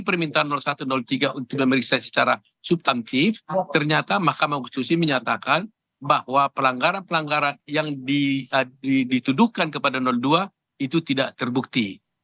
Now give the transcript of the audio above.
permintaan satu tiga untuk memeriksa secara subtantif ternyata mahkamah konstitusi menyatakan bahwa pelanggaran pelanggaran yang dituduhkan kepada dua itu tidak terbukti